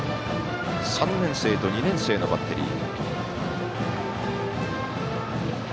３年生と２年生のバッテリー。